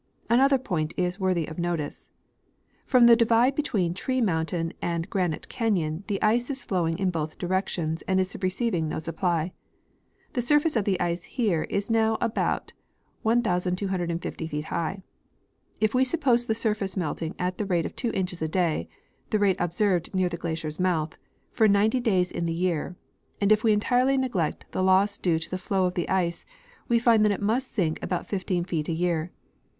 Another point is worthy of notice. From the divide between Tree mountain and Granite canyon the ice is flowing in both directions and is receiving no supply. The surface of the ice here is now about 1,250 feet high. If we suppose the surface melting at the rate of 2 inches a day (the rate observed near the glacier's mouth) for 90 days in the year, and if we entirely neglect the loss due to the flow of the ice, we find that it must sink about 15 feet a year.